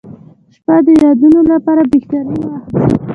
• شپه د یادونو لپاره بهترین وخت دی.